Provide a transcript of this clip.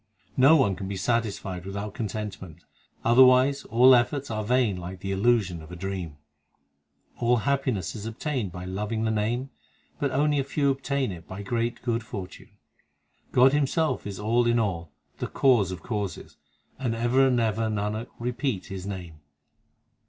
No one can be satisfied without contentment ; Otherwise all efforts are vain like the illusion of a dream. All happiness is obtained by loving the Name ; But only a few obtain it by great good fortune God Himself is all in all, the Cause ef causes ; Ever and ever, Nanak, repeat His name.